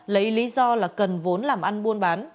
lấy lý do là cần vốn làm ăn buôn bán